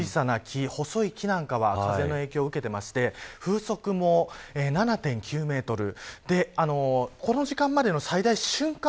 小さな木、細い木なんかは風の影響を受けていまして風速も７．９メートルでこの時間までの最大瞬間